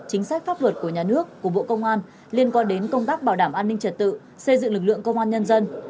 chính sách pháp luật của nhà nước của bộ công an liên quan đến công tác bảo đảm an ninh trật tự xây dựng lực lượng công an nhân dân